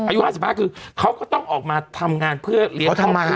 อายุ๕๕คือเขาก็ต้องออกมาทำงานเพื่อเลี้ยงทำมาหา